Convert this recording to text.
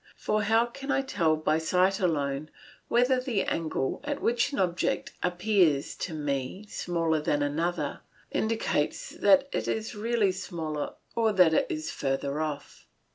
For how can I tell, by sight alone, whether the angle at which an object appears to me smaller than another, indicates that it is really smaller or that it is further off.